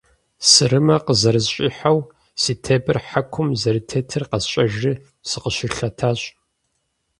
Сырымэ къызэрысщӏихьэу, си тебэр хьэкум зэрытетыр къэсщӏэжри, сыкъыщылъэтащ.